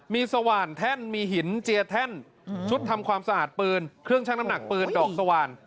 มีสว่านแท่นมีหินเจียแท่นชุดทำความสะอาดปืนเครื่องชั่งน้ำหนักปืนดอกสว่าน